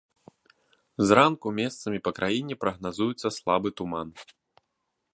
Зранку месцамі па краіне прагназуецца слабы туман.